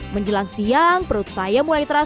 menjelang siang perut saya mulai terasa